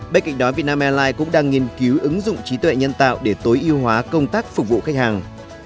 bên cạnh đó vietnam airlines cũng đang nghiên cứu ứng dụng trí tuệ nhân tạo để tối ưu hóa công tác phục vụ khách hàng